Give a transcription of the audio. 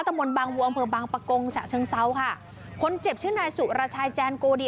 มนต์บางวัวอำเภอบางปะกงฉะเชิงเซาค่ะคนเจ็บชื่อนายสุรชายแจนโกดิ